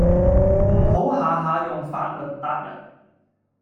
唔好下下用法律撻人